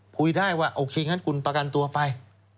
คุยได้ว่าโอเคงั้นคุณประกันตัวไป